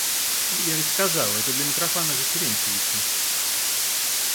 Я ведь сказала это для Митрофана же Терентьевича.